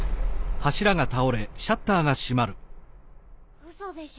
うそでしょ？